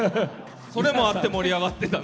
それもあって盛り上がってた。